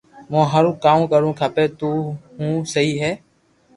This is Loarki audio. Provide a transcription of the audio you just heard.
مون ھارو ڪاو ڪروھ کپي تو ھون سھي ھي